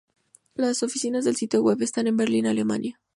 Las oficinas del sitio web están en Berlín, Alemania.